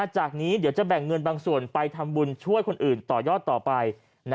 จากนี้เดี๋ยวจะแบ่งเงินบางส่วนไปทำบุญช่วยคนอื่นต่อยอดต่อไป